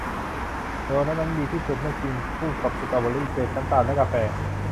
โดนัทนั้นดีที่สุดเมื่อกินคู่กับสตรอเบอร์รี่ เกล็ดน้ำตาล และกาแฟ